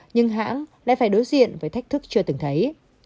nhưng hãng lại phải đối diện với thách thức chưa từng thấy